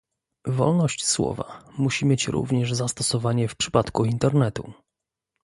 Wolność słowa musi mieć również zastosowanie w przypadku Internetu